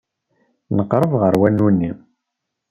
Nqerreb ɣer wanu-nni.